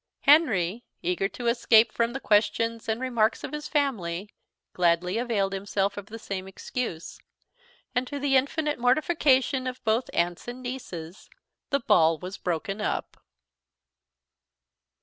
Henry, eager to escape from the questions and remarks of his family, gladly availed himself of the same excuse; and, to the infinite mortification of both aunts and nieces, the ball was broken up.